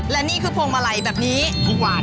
และนี่คือพวงมาลัยแบบนี้ทุกวัน